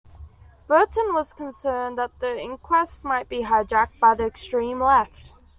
Burton was concerned that the inquest might be hijacked by the "extreme left".